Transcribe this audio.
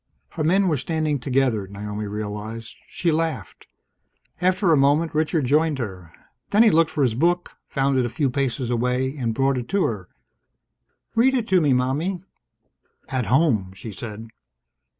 Her men were standing together, Naomi realized. She laughed. After a moment, Richard joined her. Then he looked for his book, found it a few paces away, and brought it to her. "Read to me, Mommie." "At home," she said.